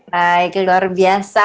baik luar biasa